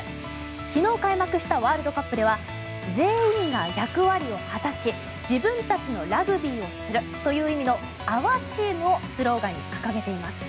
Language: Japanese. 昨日開幕したワールドカップでは全員が役割を果たし自分たちのラグビーをするという意味のＯｕｒＴｅａｍをスローガンに掲げています。